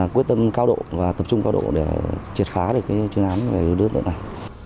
quyết tâm cao độ và tập trung cao độ để triệt phá được chuyên án về đối tượng này